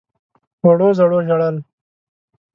وړو _زړو ژړل.